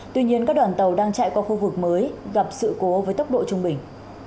tuy nhiên các đoàn tàu đang chạy qua khu vực mới gặp sự cố với tốc độ trung bình